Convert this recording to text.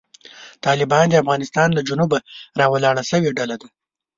طالبان د افغانستان له جنوبه راولاړه شوې ډله ده.